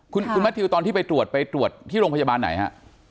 คุณแม้ตีอุตต่อไปตรวจที่โรงพยาบาลไหนคะ